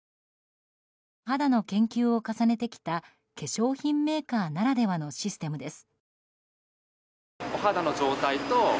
肌の研究を重ねてきた化粧品メーカーならではのシステムです。